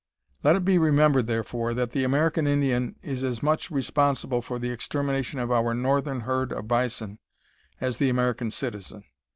Let it be remembered, therefore, that the American Indian is as much responsible for the extermination of our northern herd of bison as the American citizen.